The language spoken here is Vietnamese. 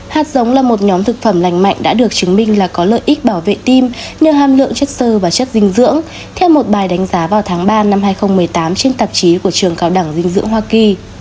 hạt giống là một nhóm thực phẩm lành mạnh đã được chứng minh là có lợi ích bảo vệ tim như hàm lượng chất sơ và chất dinh dưỡng theo một bài đánh giá vào tháng ba năm hai nghìn một mươi tám trên tạp chí của trường cao đẳng dinh dưỡng hoa kỳ